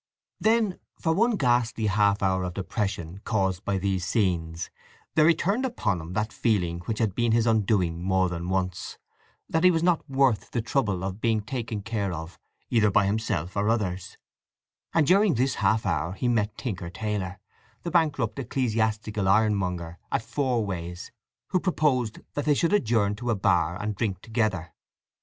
Then, for one ghastly half hour of depression caused by these scenes, there returned upon him that feeling which had been his undoing more than once—that he was not worth the trouble of being taken care of either by himself or others; and during this half hour he met Tinker Taylor, the bankrupt ecclesiastical ironmonger, at Fourways, who proposed that they should adjourn to a bar and drink together.